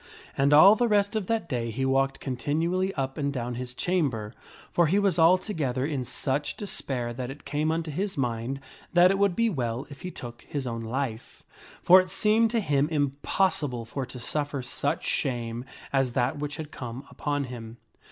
And all the rest of that day he walked continually up and down his chamber, for he was altogether in such despair that it came unto his mind Sir Gawaine is tnat ^ would be well if he took his own life ; for it seemed to in great sorrow, him impossible for to suffer such shame as that which had come upon him.